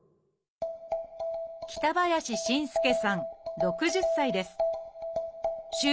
北林新介さん６０歳です。